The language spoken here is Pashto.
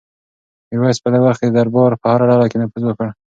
میرویس په لږ وخت کې د دربار په هره ډله کې نفوذ وکړ.